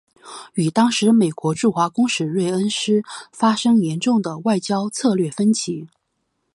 与当时美国驻华公使芮恩施发生严重的外交策略分歧。